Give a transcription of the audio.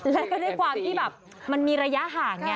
แล้วก็ด้วยความที่แบบมันมีระยะห่างไง